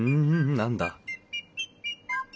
何だ？